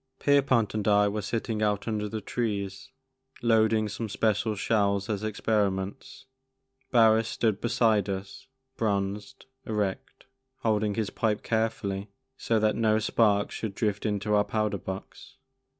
Pierpont and I were sitting out under the trees, loading some special shells as experiments ; Barris stood beside us, bronzed, erect, holding his pipe carefully so that no sparks should drift into our powder box.